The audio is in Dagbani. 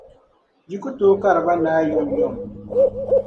yi ku tooi kari ba naai yomyom.